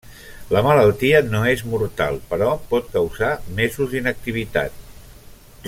La malaltia no és mortal però pot causar mesos d'inactivitat.